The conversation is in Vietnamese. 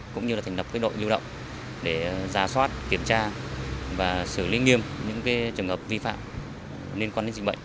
cũng như là thành đập đội lưu động để ra soát kiểm tra và xử lý nghiêm những trường hợp vi phạm liên quan đến dịch bệnh